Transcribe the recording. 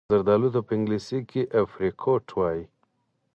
زردالو ته په انګلیسي Apricot وايي.